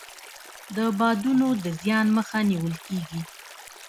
د بادونو د زیان مخه نیول کیږي.